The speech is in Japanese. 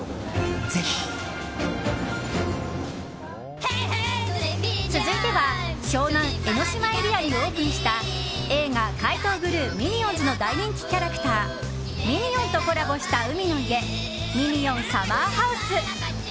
ぜひ。続いては湘南・江の島エリアにオープンした映画「怪盗グルー／ミニオンズ」の大人気キャラクターミニオンとコラボした海の家「ミニオンサマーハウス」。